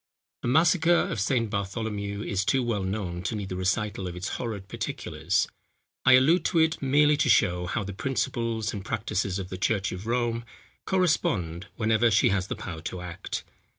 The massacre of St. Bartholomew is too well known to need the recital of its horrid particulars. I allude to it merely to show how the principles and practices of the church of Rome correspond, whenever she has the power to act.